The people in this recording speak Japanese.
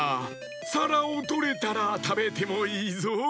さらをとれたらたべてもいいぞ。